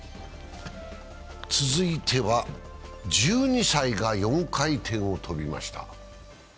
続いては１２歳が４回転を跳びました。